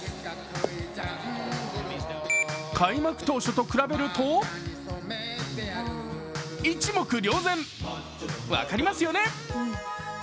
開幕当初と比べると一目瞭然、分かりますよね？